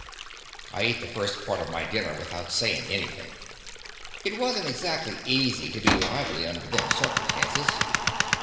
I ate the first part of my dinner without sayin' anything. It was n't exactly easy to be lively under them circumstances.